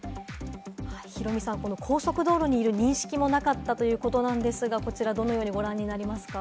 ヒロミさん、この高速道路にいる認識もなかったということなんですが、こちら、どのようにご覧になりますか？